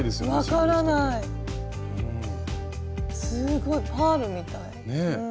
すごいパールみたい。